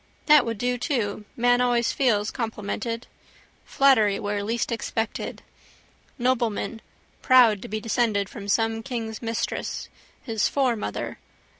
That would do to: man always feels complimented. Flattery where least expected. Nobleman proud to be descended from some king's mistress. His foremother.